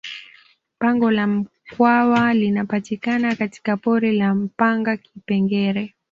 pango la mkwawa linapatikana katika pori la mpanga kipengere